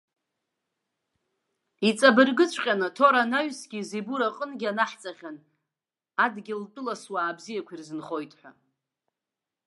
Иҵабыргыҵәҟьаны, Ҭора анаҩсгьы Зебур аҟынгьы анаҳҵахьан. Адгьылтәыла суаабзиақәа ирзынхоит ҳәа.